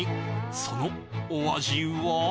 そのお味は？